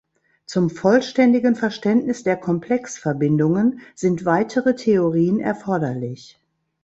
Zum vollständigen Verständnis der Komplexverbindungen sind weitere Theorien erforderlich.